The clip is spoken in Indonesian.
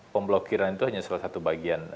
pemblokiran itu hanya salah satu bagian